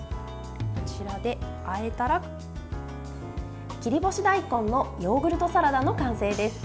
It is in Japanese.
こちらであえたら切り干し大根のヨーグルトサラダの完成です。